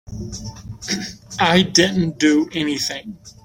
I didn't do anything.